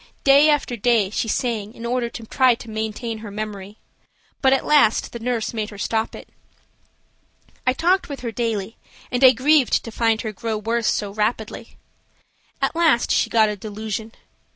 Day after day she sang in order to try to maintain her memory, but at last the nurse made her stop it. I talked with her daily, and I grieved to find her grow worse so rapidly. At last she got a delusion.